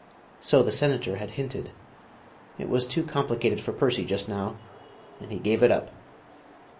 So the senator had hinted.... It was too complicated for Percy just now, and he gave it up.